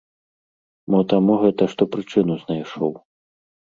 Мо таму гэта, што прычыну знайшоў.